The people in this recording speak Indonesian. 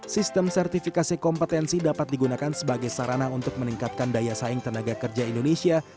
sistem sertifikasi kompetensi dapat digunakan sebagai sarana untuk meningkatkan daya saing tenaga kerja indonesia